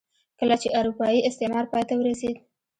کله چې اروپايي استعمار پای ته ورسېد.